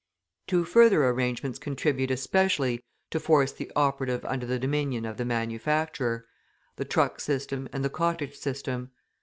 Two further arrangements contribute especially to force the operative under the dominion of the manufacturer; the Truck system and the Cottage system.